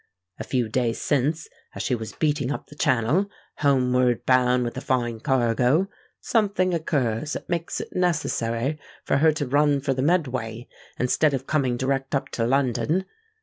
A few days since, as she was beating up the Channel, homeward bound with a fine cargo, something occurs that makes it necessary for her to run for the Medway, instead of coming direct up to London.